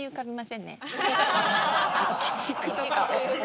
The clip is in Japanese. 鬼畜というね。